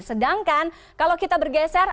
sedangkan kalau kita bergeser